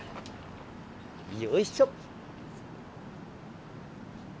よいしょ！